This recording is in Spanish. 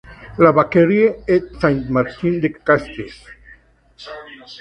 La Vacquerie-et-Saint-Martin-de-Castries